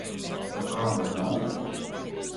Tev kauna nav?